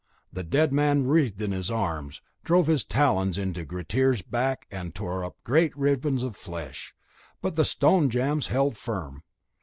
The dead man writhed in his arms, drove his talons into Grettir's back, and tore up great ribbons of flesh, but the stone jambs held firm.